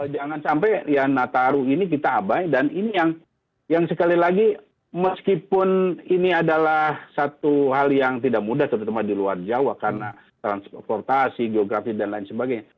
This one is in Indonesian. jangan sampai ya nataru ini kita abai dan ini yang sekali lagi meskipun ini adalah satu hal yang tidak mudah terutama di luar jawa karena transportasi geografi dan lain sebagainya